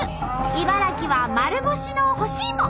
茨城は丸干しの干しいも。